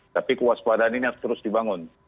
tapi kewaspadaan ini harus terus dibangun